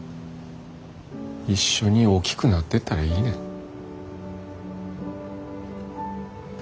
一緒に大きくなってったらいいねん。